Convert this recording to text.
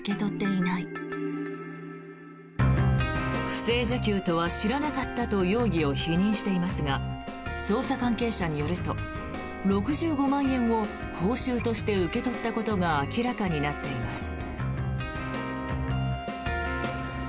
不正受給とは知らなかったと容疑を否認していますが捜査関係者によると６５万円を報酬として受け取ったことが明らかになっています。